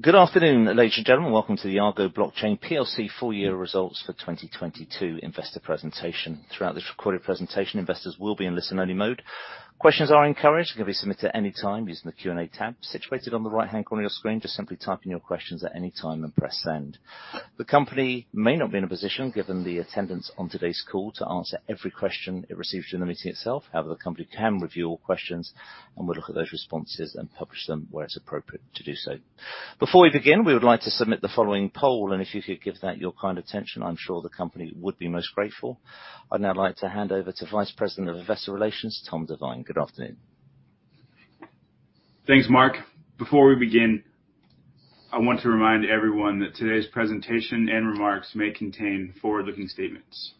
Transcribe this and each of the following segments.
Good afternoon, ladies and gentlemen. Welcome to the Argo Blockchain PLC Full Year Results for 2022 Investor Presentation. Throughout this recorded presentation, investors will be in listen-only mode. Questions are encouraged. They can be submitted any time using the Q&A tab situated on the right-hand corner of your screen. Just simply type in your questions at any time and press send. The company may not be in a position, given the attendance on today's call, to answer every question it receives during the meeting itself. The company can review all questions and will look at those responses and publish them where it's appropriate to do so. Before we begin, we would like to submit the following poll. If you could give that your kind attention, I'm sure the company would be most grateful. I'd now like to hand over to Vice President of Investor Relations, Tom Devine.Good afternoon. Thanks, Mark. Before we begin, I want to remind everyone that today's presentation and remarks may contain forward-looking statements.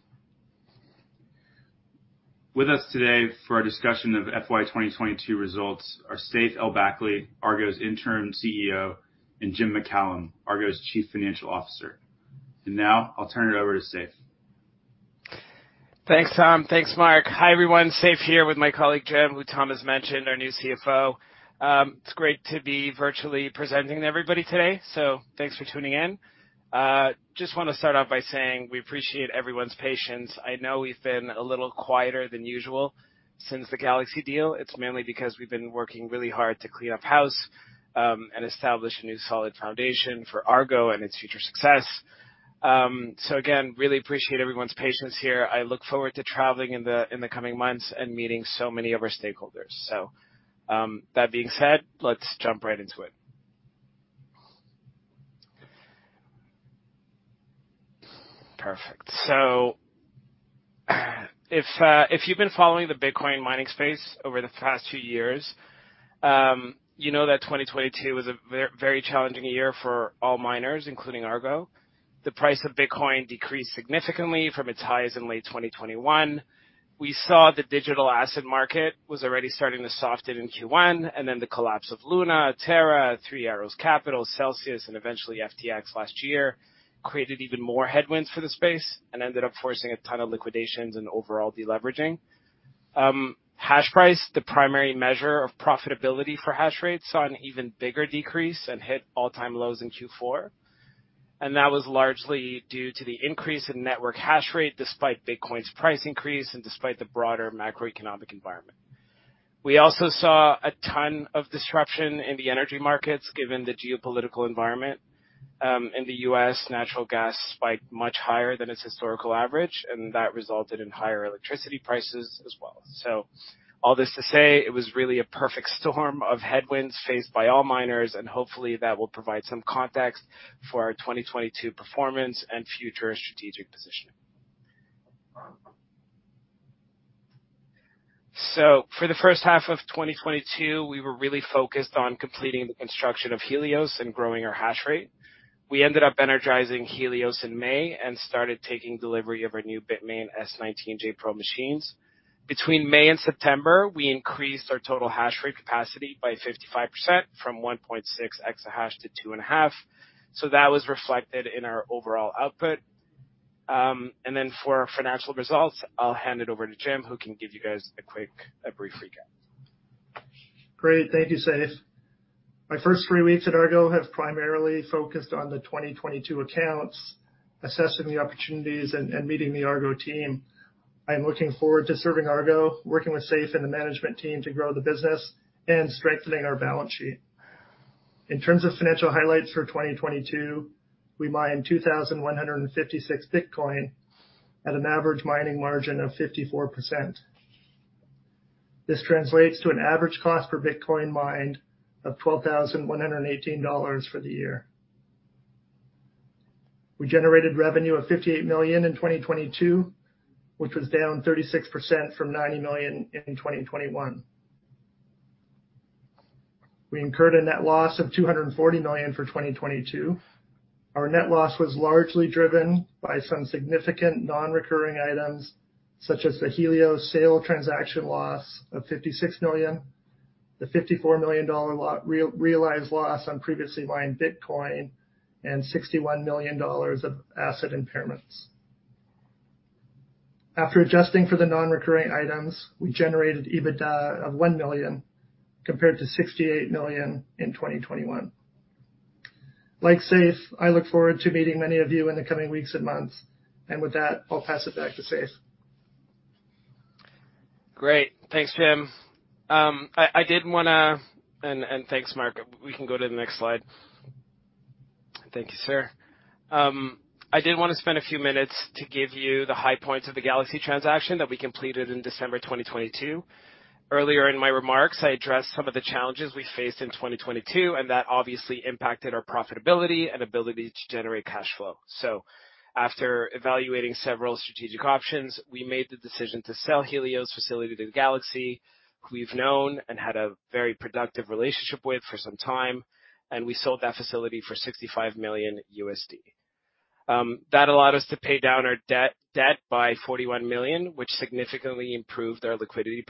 With us today for our discussion of FY 2022 results are Seif El-Bakly, Argo's Interim CEO, and Jim MacCallum, Argo's Chief Financial Officer. Now I'll turn it over to Seif. Thanks, Tom. Thanks, Mark. Hi, everyone. Seif here with my colleague, Jim, who Tom has mentioned, our new CFO. It's great to be virtually presenting to everybody today, thanks for tuning in. Just wanna start off by saying we appreciate everyone's patience. I know we've been a little quieter than usual since the Galaxy deal. It's mainly because we've been working really hard to clean up house and establish a new solid foundation for Argo and its future success. Again, really appreciate everyone's patience here. I look forward to traveling in the coming months and meeting so many of our stakeholders. That being said, let's jump right into it. Perfect. If you've been following the Bitcoin mining space over the past 2 years, you know that 2022 was a very challenging year for all miners, including Argo. The price of Bitcoin decreased significantly from its highs in late 2021. We saw the digital asset market was already starting to soften in Q1, the collapse of Luna, Terra, Three Arrows Capital, Celsius, and eventually FTX last year created even more headwinds for the space and ended up forcing a ton of liquidations and overall de-leveraging. Hash price, the primary measure of profitability for hash rate, saw an even bigger decrease and hit all-time lows in Q4, that was largely due to the increase in network hash rate despite Bitcoin's price increase and despite the broader macroeconomic environment. We also saw a ton of disruption in the energy markets given the geopolitical environment. In the U.S., natural gas spiked much higher than its historical average, and that resulted in higher electricity prices as well. All this to say, it was really a perfect storm of headwinds faced by all miners, and hopefully that will provide some context for our 2022 performance and future strategic positioning. For the 1st half of 2022, we were really focused on completing the construction of Helios and growing our hash rate. We ended up energizing Helios in May and started taking delivery of our new Bitmain S19j Pro machines. Between May and September, we increased our total hash rate capacity by 55% from 1.6 EH/s to 2.5, so that was reflected in our overall output. Then for our financial results, I'll hand it over to Jim, who can give you guys a brief recap. Great. Thank you, Seif. My 1st three weeks at Argo have primarily focused on the 2022 accounts, assessing the opportunities and meeting the Argo team. I am looking forward to serving Argo, working with Seif and the management team to grow the business and strengthening our balance sheet. In terms of financial highlights for 2022, we mined 2,156 Bitcoin at an average mining margin of 54%. This translates to an average cost per Bitcoin mined of $12,118 for the year. We generated revenue of $58 million in 2022, which was down 36% from $90 million in 2021. We incurred a net loss of $240 million for 2022. Our net loss was largely driven by some significant non-recurring items such as the Helios sale transaction loss of $56 million, the $54 million re-realized loss on previously mined Bitcoin, and $61 million of asset impairments. After adjusting for the non-recurring items, we generated EBITDA of $1 million, compared to $68 million in 2021. Like Seif, I look forward to meeting many of you in the coming weeks and months. With that, I'll pass it back to Seif. Great. Thanks, Jim. I did wanna... and thanks, Mark. We can go to the next slide. Thank you, sir. I did wanna spend a few minutes to give you the high points of the Galaxy transaction that we completed in December 2022. Earlier in my remarks, I addressed some of the challenges we faced in 2022. That obviously impacted our profitability and ability to generate cash flow. After evaluating several strategic options, we made the decision to sell Helios facility to Galaxy, who we've known and had a very productive relationship with for some time. We sold that facility for $65 million. That allowed us to pay down our debt by $41 million, which significantly improved our liquidity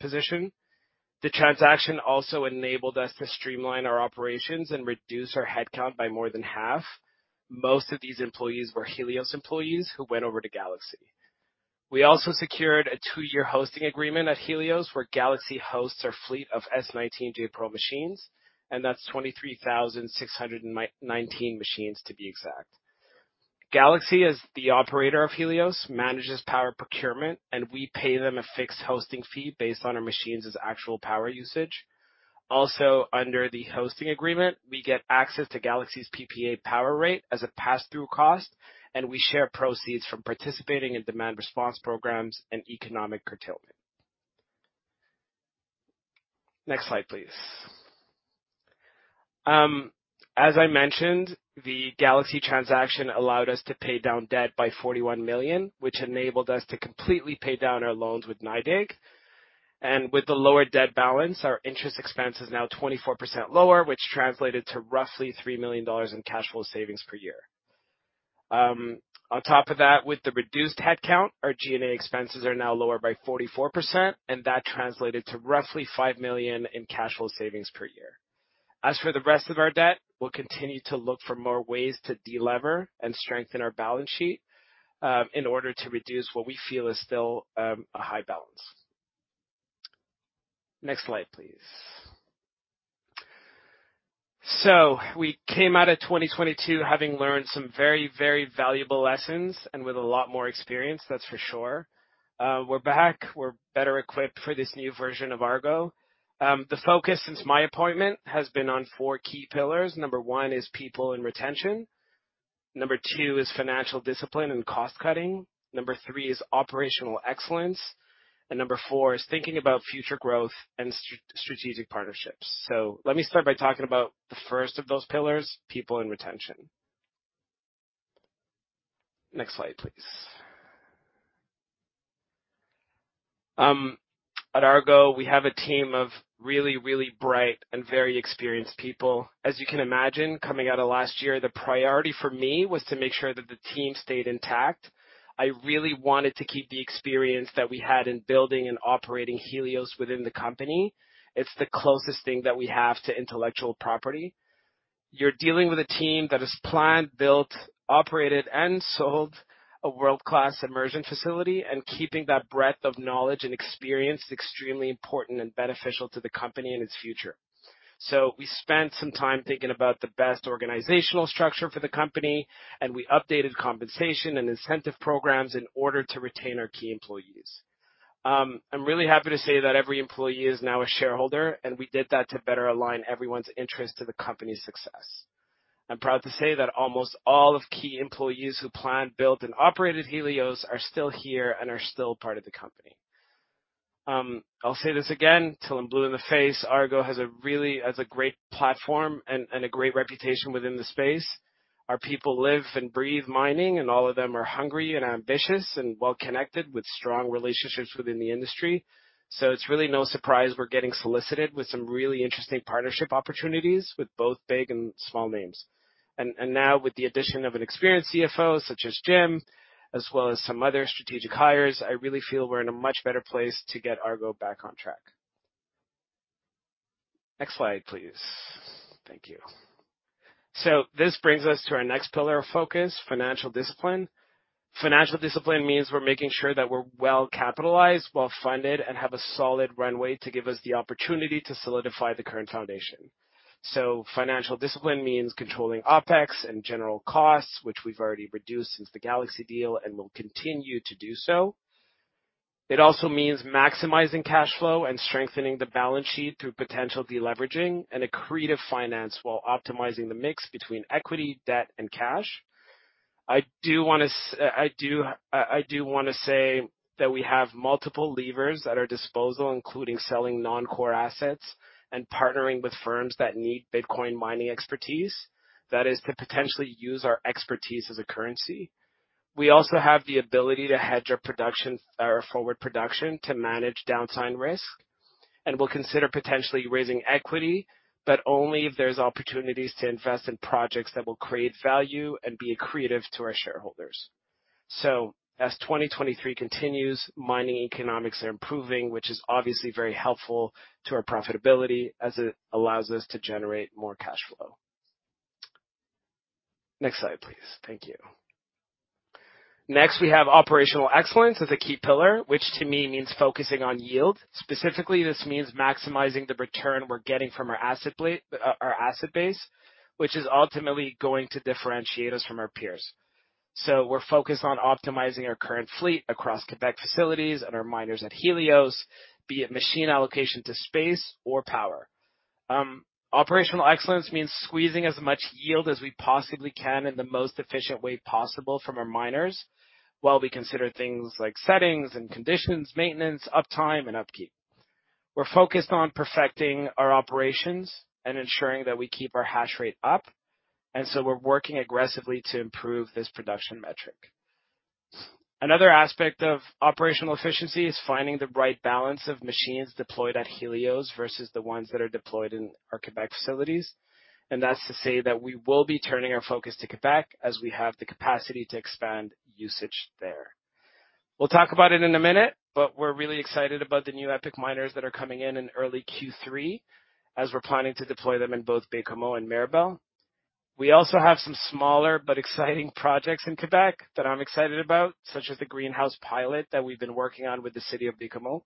position. The transaction also enabled us to streamline our operations and reduce our headcount by more than half. Most of these employees were Helios employees who went over to Galaxy. We also secured a 2-year hosting agreement at Helios, where Galaxy hosts our fleet of S19j Pro machines, and that's 23,619 machines to be exact. Galaxy, as the operator of Helios, manages power procurement, and we pay them a fixed hosting fee based on our machines' actual power usage. Also, under the hosting agreement, we get access to Galaxy's PPA power rate as a passthrough cost, and we share proceeds from participating in demand response programs and economic curtailment. Next slide, please. As I mentioned, the Galaxy transaction allowed us to pay down debt by 41 million, which enabled us to completely pay down our loans with NYDIG. With the lower debt balance, our interest expense is now 24% lower, which translated to roughly $3 million in cash flow savings per year. On top of that, with the reduced head count, our G&A expenses are now lower by 44%, and that translated to roughly $5 million in cash flow savings per year. As for the rest of our debt, we'll continue to look for more ways to de-lever and strengthen our balance sheet in order to reduce what we feel is still a high balance. Next slide, please. We came out of 2022 having learned some very, very valuable lessons and with a lot more experience, that's for sure. We're back. We're better equipped for this new version of Argo. The focus since my appointment has been on four key pillars. Number one is people and retention. Number two is financial discipline and cost-cutting. Number three is operational excellence. Number four is thinking about future growth and strategic partnerships. Let me start by talking about the 1st of those pillars, people and retention. Next slide, please. At Argo, we have a team of really, really bright and very experienced people. As you can imagine, coming out of last year, the priority for me was to make sure that the team stayed intact. I really wanted to keep the experience that we had in building and operating Helios within the company. It's the closest thing that we have to intellectual property. You're dealing with a team that has planned, built, operated, and sold a world-class immersion facility, and keeping that breadth of knowledge and experience extremely important and beneficial to the company and its future. We spent some time thinking about the best organizational structure for the company, and we updated compensation and incentive programs in order to retain our key employees. I'm really happy to say that every employee is now a shareholder, and we did that to better align everyone's interest to the company's success. I'm proud to say that almost all of key employees who planned, built, and operated Helios are still here and are still part of the company. I'll say this again till I'm blue in the face. Argo has a great platform and a great reputation within the space. Our people live and breathe mining, and all of them are hungry and ambitious and well connected with strong relationships within the industry. It's really no surprise we're getting solicited with some really interesting partnership opportunities with both big and small names. Now with the addition of an experienced CFO such as Jim, as well as some other strategic hires, I really feel we're in a much better place to get Argo back on track. Next slide, please. Thank you. This brings us to our next pillar of focus, financial discipline. Financial discipline means we're making sure that we're well capitalized, well funded, and have a solid runway to give us the opportunity to solidify the current foundation. Financial discipline means controlling OPEX and general costs, which we've already reduced since the Galaxy deal and will continue to do so. It also means maximizing cash flow and strengthening the balance sheet through potential deleveraging and accretive finance while optimizing the mix between equity, debt, and cash. I do wanna say that we have multiple levers at our disposal, including selling non-core assets and partnering with firms that need Bitcoin mining expertise. That is to potentially use our expertise as a currency. We also have the ability to hedge our production or forward production to manage downside risk. We'll consider potentially raising equity, but only if there's opportunities to invest in projects that will create value and be accretive to our shareholders. As 2023 continues, mining economics are improving, which is obviously very helpful to our profitability as it allows us to generate more cash flow. Next slide, please. Thank you. Next, we have operational excellence as a key pillar, which to me means focusing on yield. Specifically, this means maximizing the return we're getting from our asset base, which is ultimately going to differentiate us from our peers. We're focused on optimizing our current fleet across Quebec facilities and our miners at Helios, be it machine allocation to space or power. Operational excellence means squeezing as much yield as we possibly can in the most efficient way possible from our miners, while we consider things like settings and conditions, maintenance, uptime, and upkeep. We're focused on perfecting our operations and ensuring that we keep our hash rate up, we're working aggressively to improve this production metric. Another aspect of operational efficiency is finding the right balance of machines deployed at Helios versus the ones that are deployed in our Quebec facilities. That's to say that we will be turning our focus to Quebec as we have the capacity to expand usage there. We'll talk about it in a minute, but we're really excited about the new ePIC miners that are coming in in early Q3, as we're planning to deploy them in both Baie-Comeau and Mirabel. We also have some smaller but exciting projects in Quebec that I'm excited about, such as the greenhouse pilot that we've been working on with the city of Richelieu.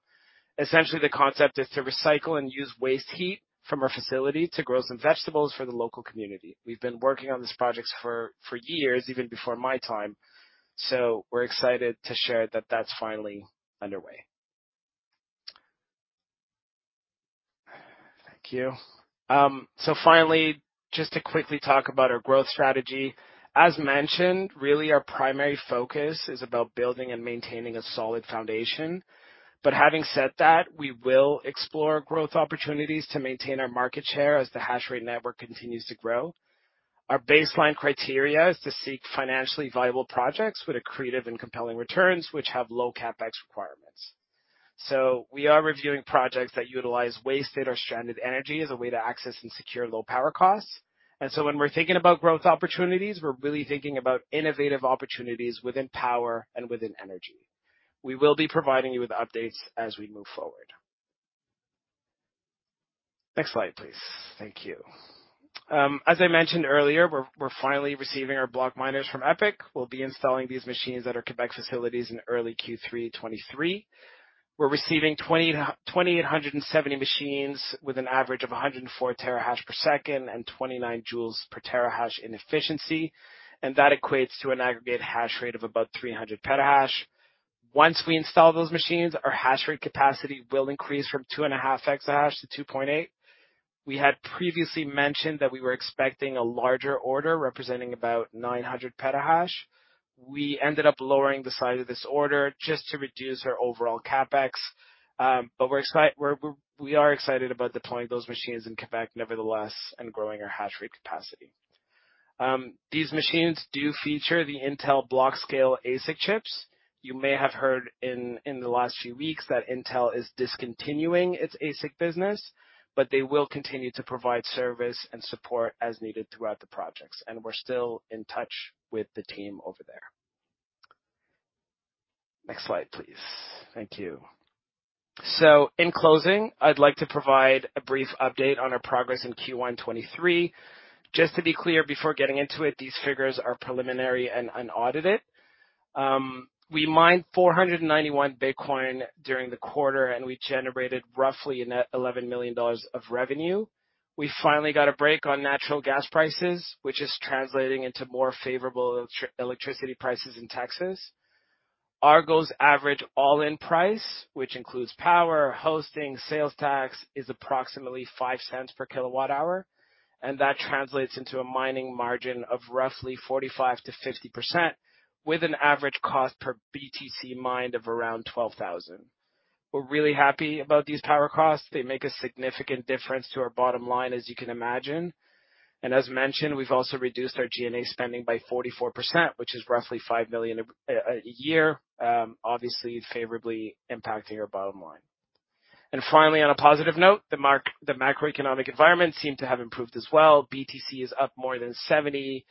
Essentially, the concept is to recycle and use waste heat from our facility to grow some vegetables for the local community. We've been working on this project for years, even before my time, so we're excited to share that that's finally underway. Thank you. Finally, just to quickly talk about our growth strategy. As mentioned, really our primary focus is about building and maintaining a solid foundation. Having said that, we will explore growth opportunities to maintain our market share as the hash rate network continues to grow. Our baseline criteria is to seek financially viable projects with accretive and compelling returns, which have low CapEx requirements. We are reviewing projects that utilize wasted or stranded energy as a way to access and secure low power costs. When we're thinking about growth opportunities, we're really thinking about innovative opportunities within power and within energy. We will be providing you with updates as we move forward. Next slide, please. Thank you. As I mentioned earlier, we're finally receiving our BlockMiners from ePIC. We'll be installing these machines at our Quebec facilities in early Q3 2023. We're receiving 2,870 machines with an average of 104 TH/s per 2nd and 29 J per TH/s in efficiency. That equates to an aggregate hash rate of about 300 PH/s. Once we install those machines, our hash rate capacity will increase from 2.5 EH/s-2.8 EH/s. We had previously mentioned that we were expecting a larger order, representing about 900 PH/s. We ended up lowering the size of this order just to reduce our overall CapEx. We are excited about deploying those machines in Quebec nevertheless and growing our hash rate capacity. These machines do feature the Intel Blockscale ASIC chips. You may have heard in the last few weeks that Intel is discontinuing its ASIC business, but they will continue to provide service and support as needed throughout the projects, and we're still in touch with the team over there. Next slide, please. Thank you. In closing, I'd like to provide a brief update on our progress in Q1 2023. Just to be clear, before getting into it, these figures are preliminary and unaudited. We mined 491 bitcoin during the quarter, and we generated roughly net $11 million of revenue. We finally got a break on natural gas prices, which is translating into more favorable electricity prices in Texas. Argo's average all-in price, which includes power, hosting, sales tax, is approximately $0.05 per kWh. That translates into a mining margin of roughly 45%-50% with an average cost per BTC mined of around $12,000. We're really happy about these power costs. They make a significant difference to our bottom line, as you can imagine. As mentioned, we've also reduced our G&A spending by 44%, which is roughly $5 million a year, obviously favorably impacting our bottom line. Finally, on a positive note, the macroeconomic environment seemed to have improved as well. BTC is up more than 70%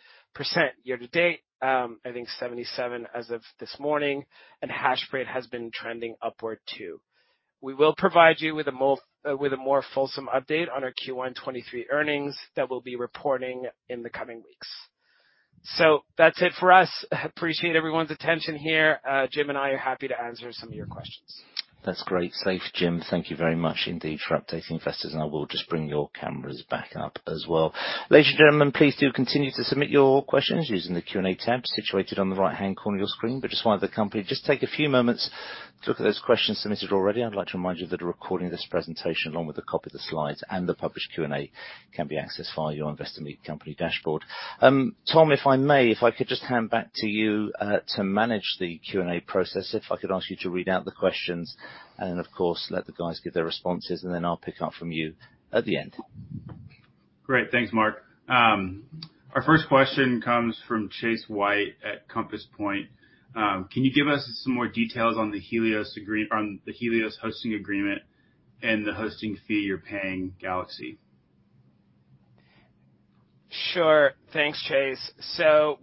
year-to-date, I think 77% as of this morning, and hashrate has been trending upward too. We will provide you with a more, with a more fulsome update on our Q1 2023 earnings that we'll be reporting in the coming weeks. That's it for us. I appreciate everyone's attention here. Jim and I are happy to answer some of your questions. That's great. Seif, Jim, thank you very much indeed for updating investors. I will just bring your cameras back up as well. Ladies and gentlemen, please do continue to submit your questions using the Q&A tab situated on the right-hand corner of your screen. Just while the company just take a few moments to look at those questions submitted already, I'd like to remind you that a recording of this presentation, along with a copy of the slides and the published Q&A, can be accessed via your Investor Meet Company dashboard. Tom, if I may, if I could just hand back to you to manage the Q&A process. If I could ask you to read out the questions and of course let the guys give their responses. Then I'll pick up from you at the end. Great. Thanks, Mark. Our 1st question comes from Chase White at Compass Point. Can you give us some more details on the Helios hosting agreement and the hosting fee you're paying Galaxy? Thanks, Chase.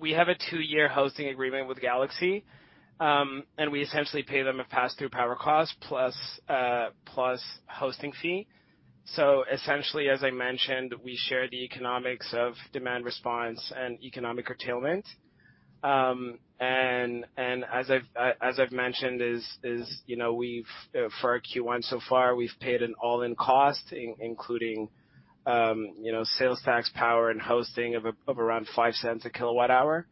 We have a two-year hosting agreement with Galaxy, and we essentially pay them a pass-through power cost plus hosting fee. Essentially, as I mentioned, we share the economics of demand response and economic curtailment. And as I've mentioned is, you know, we've for our Q1 so far, we've paid an all-in cost including, you know, sales tax, power, and hosting of around $0.05 a kilowatt-hour.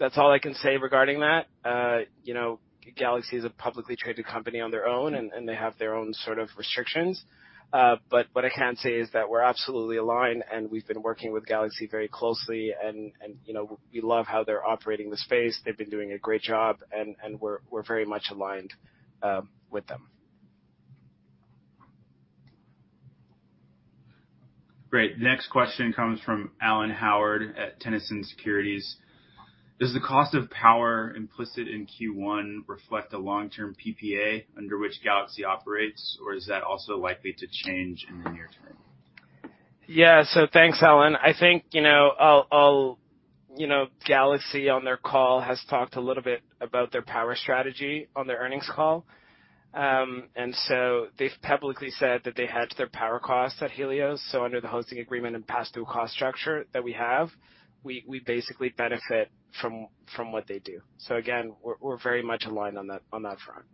That's all I can say regarding that. You know, Galaxy is a publicly traded company on their own, and they have their own sort of restrictions. What I can say is that we're absolutely aligned, and we've been working with Galaxy very closely and, you know, we love how they're operating the space. They've been doing a great job and we're very much aligned with them. Great. Next question comes from Alan Howard at Tennyson Securities. Does the cost of power implicit in Q1 reflect a long-term PPA under which Galaxy operates, or is that also likely to change in the near term? Yeah. Thanks, Alan. I think, you know, Galaxy on their call has talked a little bit about their power strategy on their earnings call. They've publicly said that they hedge their power costs at Helios. Under the hosting agreement and pass through cost structure that we have, we basically benefit from what they do. Again, we're very much aligned on that front.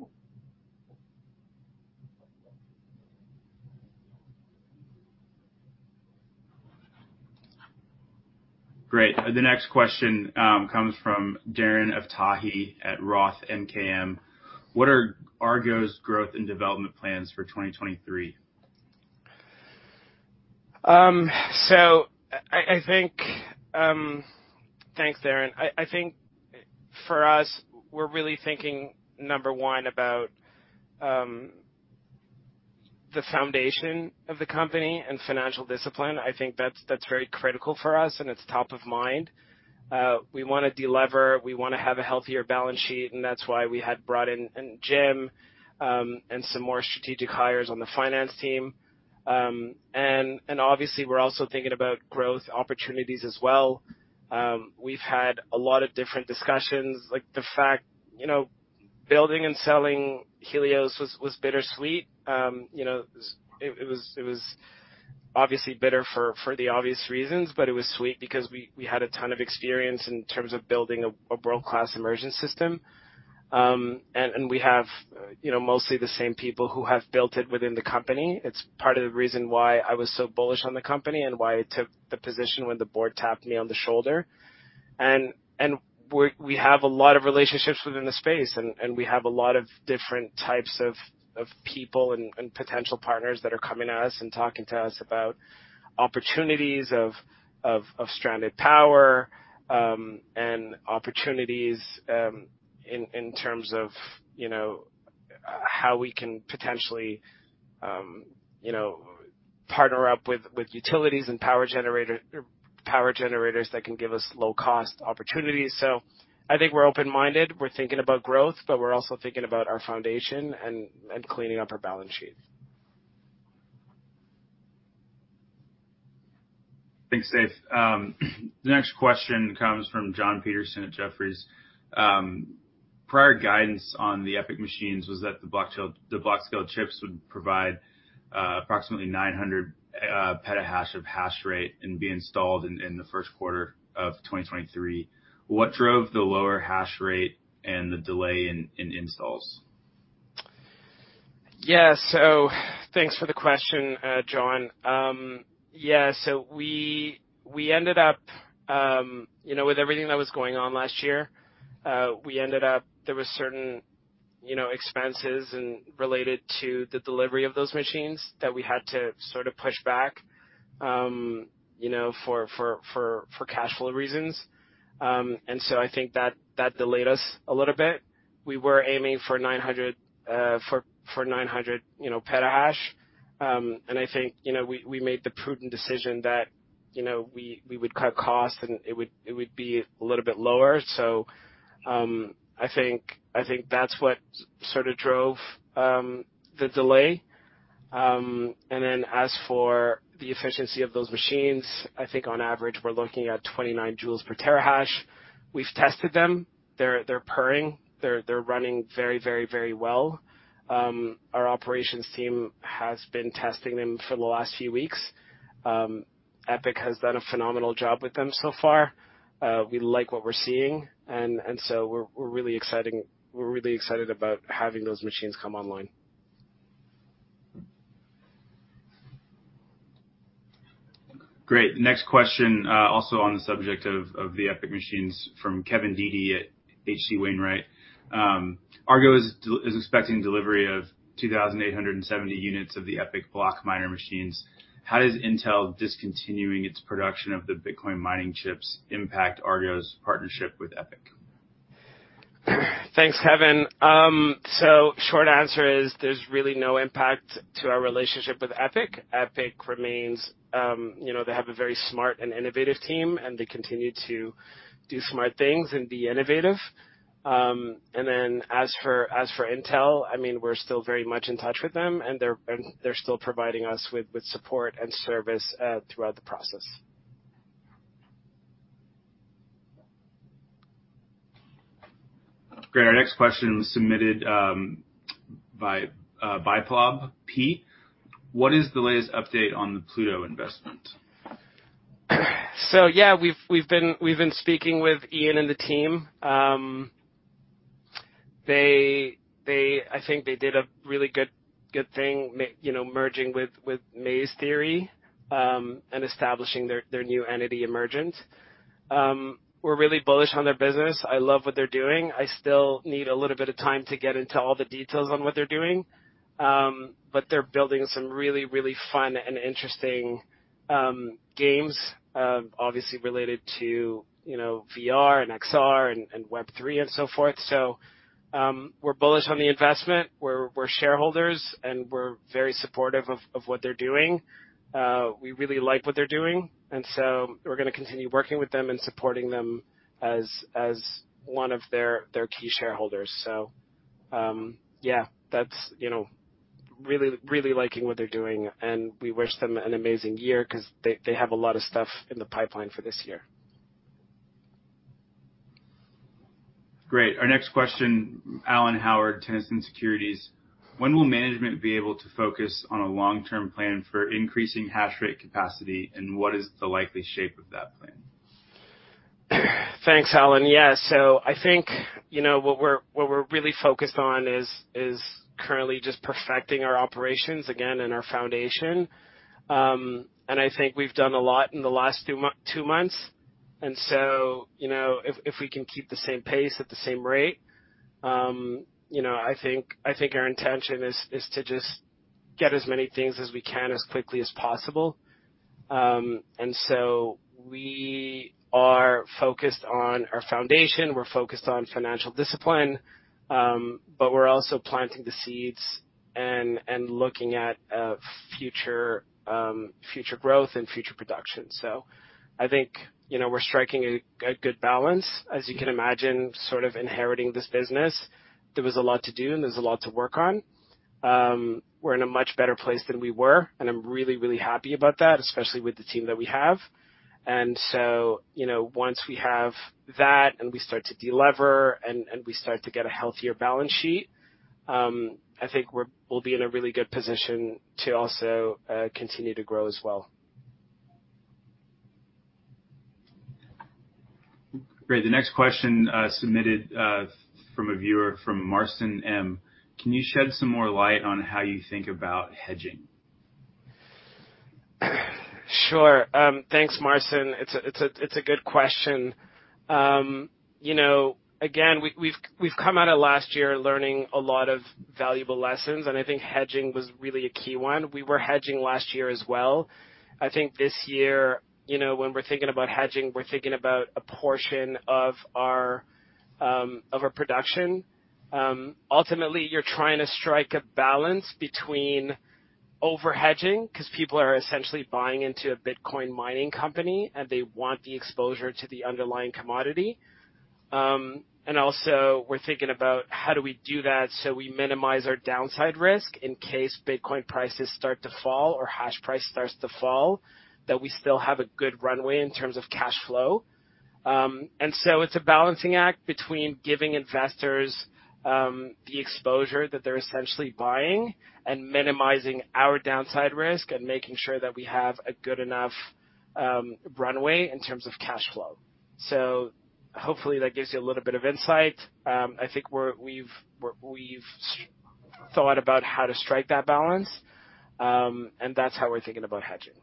Great. The next question, comes from Darren Aftahi at ROTH MKM. What are Argo's growth and development plans for 2023? I think. Thanks, Darren. I think for us, we're really thinking, number one, about the foundation of the company and financial discipline. I think that's very critical for us, and it's top of mind. We wanna deliver, we wanna have a healthier balance sheet, and that's why we had brought in Jim and some more strategic hires on the finance team. Obviously we're also thinking about growth opportunities as well. We've had a lot of different discussions. Like, the fact, you know, building and selling Helios was bittersweet. You know, it was obviously bitter for the obvious reasons, but it was sweet because we had a ton of experience in terms of building a world-class immersion system. We have, you know, mostly the same people who have built it within the company. It's part of the reason why I was so bullish on the company and why I took the position when the board tapped me on the shoulder. We have a lot of relationships within the space and we have a lot of different types of people and potential partners that are coming to us and talking to us about opportunities of stranded power, and opportunities in terms of, you know, how we can potentially, you know, partner up with utilities and power generators that can give us low cost opportunities. I think we're open-minded. We're thinking about growth, but we're also thinking about our foundation and cleaning up our balance sheet. Thanks, Seif. The next question comes from Jonathan Petersen at Jefferies. Prior guidance on the ePIC machines was that the Blockscale, the Blockscale chips would provide approximately 900 PH/s of hash rate and be installed in the 1st quarter of 2023. What drove the lower hash rate and the delay in installs? Thanks for the question, John. We ended up, you know, with everything that was going on last year, we ended up there was certain, you know, expenses and related to the delivery of those machines that we had to sort of push back, you know, for cash flow reasons. I think that delayed us a little bit. We were aiming for 900, you know, PH/s. I think, you know, we made the prudent decision that, you know, we would cut costs and it would be a little bit lower. I think that's what sort of drove the delay. As for the efficiency of those machines, I think on average, we're looking at 29 J per TH/s. We've tested them. They're purring. They're running very, very, very well. Our operations team has been testing them for the last few weeks. ePIC has done a phenomenal job with them so far. We like what we're seeing. We're really excited about having those machines come online. Great. Next question, also on the subject of the ePIC machines from Kevin Dede at H.C. Wainwright. Argo is expecting delivery of 2,870 units of the ePIC BlockMiner machines. How does Intel discontinuing its production of the Bitcoin mining chips impact Argo's partnership with ePIC? Thanks, Kevin. Short answer is there's really no impact to our relationship with ePIC Blockchain. ePIC Blockchain remains, you know, they have a very smart and innovative team, and they continue to do smart things and be innovative. Then as for Intel, I mean, we're still very much in touch with them, and they're still providing us with support and service throughout the process. Great. Our next question was submitted by Paob P. What is the latest update on the Pluto investment? Yeah, we've been speaking with Ian and the team. They, I think they did a really good thing, you know, merging with Maze Theory, and establishing their new entity, Emergent. We're really bullish on their business. I love what they're doing. I still need a little bit of time to get into all the details on what they're doing. They're building some really fun and interesting games, obviously related to, you know, VR and XR and Web3 and so forth. We're bullish on the investment. We're shareholders, and we're very supportive of what they're doing. We really like what they're doing, and so we're gonna continue working with them and supporting them as one of their key shareholders. Yeah, that's, you know. Really, really liking what they're doing, and we wish them an amazing year 'cause they have a lot of stuff in the pipeline for this year. Great. Our next question, Alan Howard, Tennyson Securities. When will management be able to focus on a long-term plan for increasing hash rate capacity, and what is the likely shape of that plan? Thanks, Alan. Yeah. I think, you know, what we're really focused on is currently just perfecting our operations again and our foundation. I think we've done a lot in the last two months. You know, if we can keep the same pace at the same rate, I think our intention is to just get as many things as we can as quickly as possible. We are focused on our foundation. We're focused on financial discipline, but we're also planting the seeds and looking at future growth and future production. I think, you know, we're striking a good balance. As you can imagine, sort of inheriting this business, there was a lot to do and there's a lot to work on. We're in a much better place than we were, and I'm really, really happy about that, especially with the team that we have. You know, once we have that and we start to delever and we start to get a healthier balance sheet, I think we'll be in a really good position to also continue to grow as well. Great. The next question, submitted, from a viewer from Marston M. Can you shed some more light on how you think about hedging? Sure. Thanks, Marston. It's a good question. You know, again, we've come out of last year learning a lot of valuable lessons. I think hedging was really a key one. We were hedging last year as well. I think this year, you know, when we're thinking about hedging, we're thinking about a portion of our of our production. Ultimately, you're trying to strike a balance between over-hedging, 'cause people are essentially buying into a Bitcoin mining company, and they want the exposure to the underlying commodity. Also, we're thinking about how do we do that so we minimize our downside risk in case Bitcoin prices start to fall or hash price starts to fall, that we still have a good runway in terms of cash flow. It's a balancing act between giving investors, the exposure that they're essentially buying and minimizing our downside risk and making sure that we have a good enough runway in terms of cash flow. Hopefully that gives you a little bit of insight. I think we've thought about how to strike that balance, and that's how we're thinking about hedging.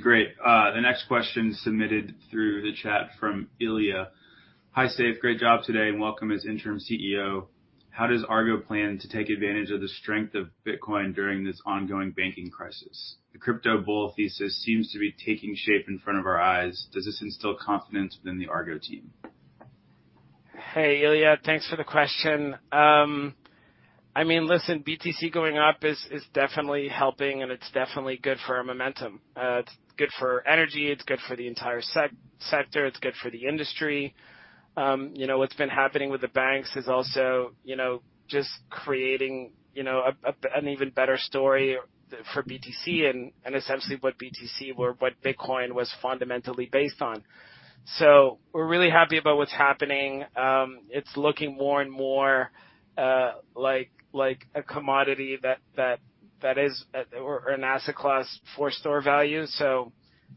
Great. The next question submitted through the chat from Ilya. Hi, Seif. Great job today and welcome as interim CEO. How does Argo plan to take advantage of the strength of Bitcoin during this ongoing banking crisis? The crypto bull thesis seems to be taking shape in front of our eyes. Does this instill confidence within the Argo team? Hey, Ilya. Thanks for the question. I mean, listen, BTC going up is definitely helping, and it's definitely good for our momentum. It's good for energy. It's good for the entire sector. It's good for the industry. You know, what's been happening with the banks is also, you know, just creating, you know, an even better story for BTC and essentially what BTC or what Bitcoin was fundamentally based on. We're really happy about what's happening. It's looking more and more like a commodity that is or an asset class for store value.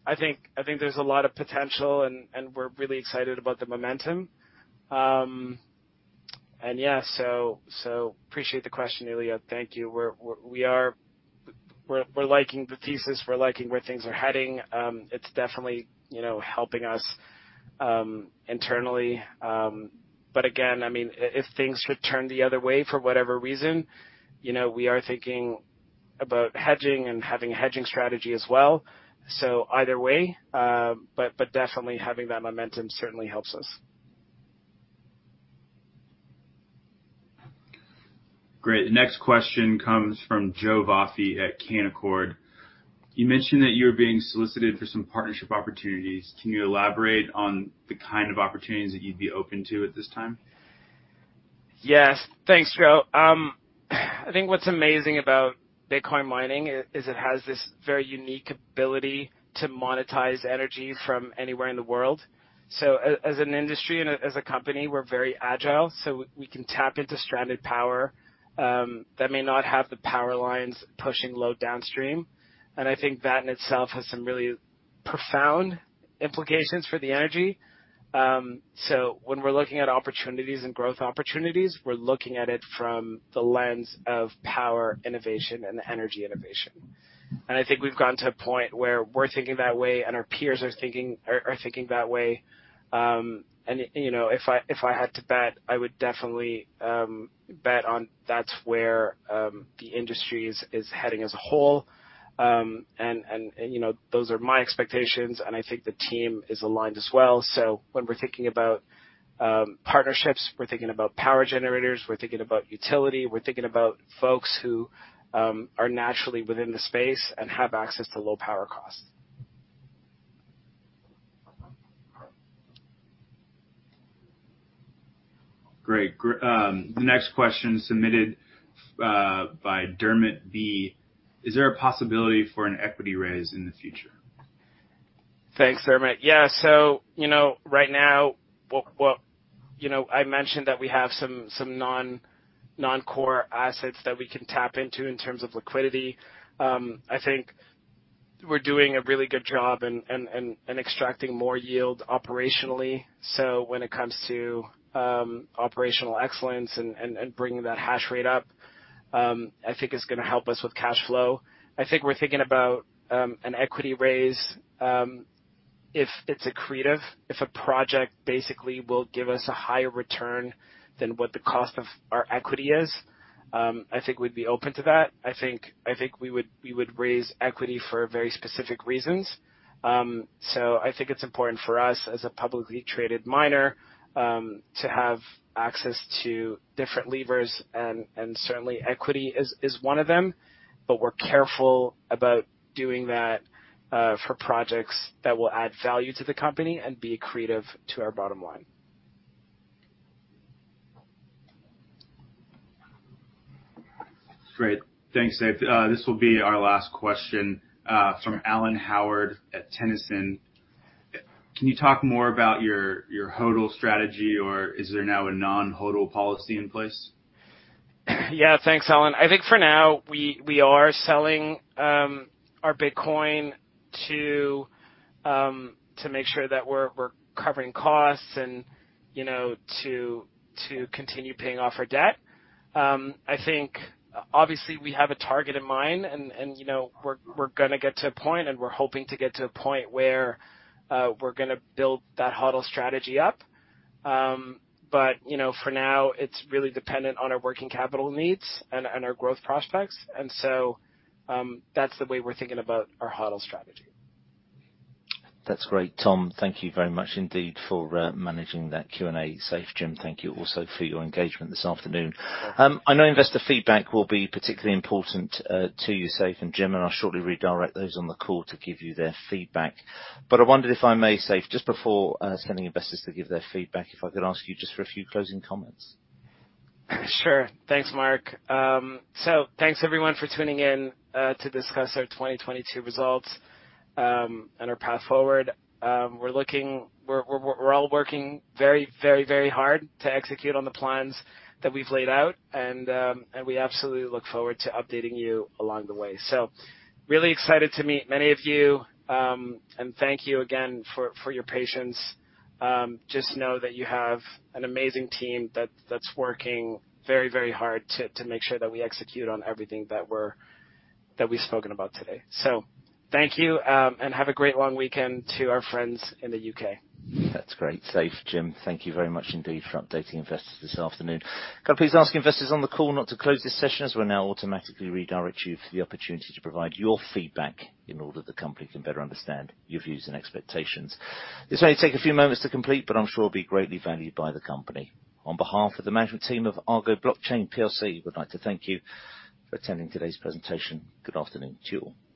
I think there's a lot of potential, and we're really excited about the momentum. Yeah, so appreciate the question, Ilya. Thank you. We're liking the thesis. We're liking where things are heading. It's definitely, you know, helping us internally. Again, I mean, if things should turn the other way for whatever reason, you know, we are thinking about hedging and having a hedging strategy as well, so either way, but definitely having that momentum certainly helps us. Great. The next question comes from Joe Vafi at Canaccord. You mentioned that you're being solicited for some partnership opportunities. Can you elaborate on the kind of opportunities that you'd be open to at this time? Yes. Thanks, Joe. I think what's amazing about Bitcoin mining is it has this very unique ability to monetize energy from anywhere in the world. As an industry and as a company, we're very agile, so we can tap into stranded power, that may not have the power lines pushing load downstream. I think that in itself has some really profound implications for the energy. When we're looking at opportunities and growth opportunities, we're looking at it from the lens of power innovation and energy innovation. I think we've gotten to a point where we're thinking that way and our peers are thinking that way. You know, if I, if I had to bet, I would definitely bet on that's where the industry is heading as a whole. You know, those are my expectations, and I think the team is aligned as well. When we're thinking about partnerships, we're thinking about power generators. We're thinking about utility. We're thinking about folks who are naturally within the space and have access to low power costs. Great. The next question submitted, by Dermot B. Is there a possibility for an equity raise in the future? Thanks, Dermot. Yeah. You know, right now, you know, I mentioned that we have some non-core assets that we can tap into in terms of liquidity. I think we're doing a really good job and extracting more yield operationally. When it comes to operational excellence and bringing that hash rate up, I think it's gonna help us with cash flow. I think we're thinking about an equity raise, if it's accretive. If a project basically will give us a higher return than what the cost of our equity is, I think we'd be open to that. I think we would raise equity for very specific reasons. I think it's important for us, as a publicly traded miner, to have access to different levers and certainly equity is one of them. But we're careful about doing that, for projects that will add value to the company and be accretive to our bottom line. Great. Thanks, Seif. This will be our last question from Alan Howard at Tennyson. Can you talk more about your HODL strategy or is there now a non-HODL policy in place? Yeah. Thanks, Alan. I think for now we are selling our Bitcoin to make sure that we're covering costs and, you know, to continue paying off our debt. I think obviously we have a target in mind and, you know, we're gonna get to a point and we're hoping to get to a point where we're gonna build that HODL strategy up. You know, for now it's really dependent on our working capital needs and our growth prospects. That's the way we're thinking about our HODL strategy. That's great. Tom, thank you very much indeed for managing that Q&A. Seif, Jim, thank you also for your engagement this afternoon. I know investor feedback will be particularly important to you Seif and Jim, and I'll shortly redirect those on the call to give you their feedback. I wondered if I may, Seif, just before sending investors to give their feedback, if I could ask you just for a few closing comments. Sure. Thanks, Mark. Thanks everyone for tuning in to discuss our 2022 results and our path forward. We're all working very hard to execute on the plans that we've laid out, and we absolutely look forward to updating you along the way. Really excited to meet many of you. Thank you again for your patience. Just know that you have an amazing team that's working very hard to make sure that we execute on everything that we've spoken about today. Thank you. Have a great long weekend to our friends in the UK. That's great. Seif, Jim, thank you very much indeed for updating investors this afternoon. Can I please ask investors on the call not to close this session as we'll now automatically redirect you for the opportunity to provide your feedback in order that the company can better understand your views and expectations. This may take a few moments to complete, but I'm sure it'll be greatly valued by the company. On behalf of the management team of Argo Blockchain plc, we would like to thank you for attending today's presentation. Good afternoon to you all.